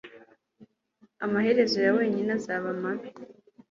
Amaherezo ya wenyine azaba mabi